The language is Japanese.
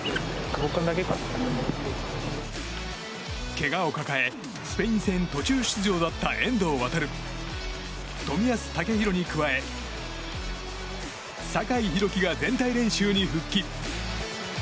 けがを抱えスペイン戦途中出場だった遠藤航、冨安健洋に加え酒井宏樹が全体練習に復帰。